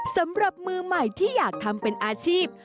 สำหรับมือใหม่ที่อยากทำเป็นอาชีพ